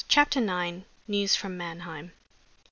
CHAPTER IX. NEWS FROM MANNHEIM.